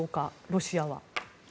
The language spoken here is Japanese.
ロシアは。